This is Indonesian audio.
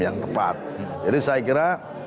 yang tepat jadi saya kira